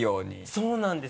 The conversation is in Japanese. そうなんです